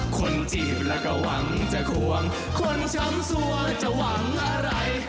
คนจีบแล้วก็หวังจะควงคนช้ำสัวจะหวังอะไร